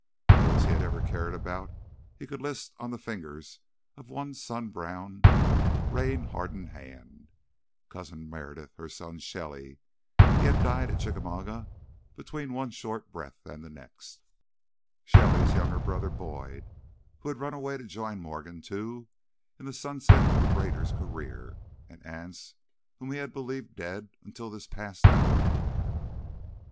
Those he had ever cared about he could list on the fingers of one sun browned, rein hardened hand: Cousin Meredith; her son Shelly—he had died at Chickamauga between one short breath and the next—Shelly's younger brother Boyd, who had run away to join Morgan, too, in the sunset of the raider's career; and Anse, whom he had believed dead until this past hour.